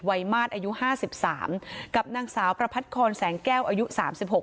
มาตรอายุห้าสิบสามกับนางสาวประพัดคอนแสงแก้วอายุสามสิบหก